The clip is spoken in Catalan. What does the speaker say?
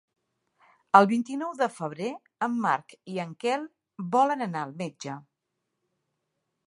El vint-i-nou de febrer en Marc i en Quel volen anar al metge.